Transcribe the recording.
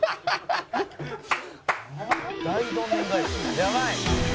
「やばい！」